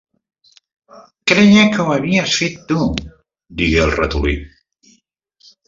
"Creia que ho havies fet tu" digué el ratolí.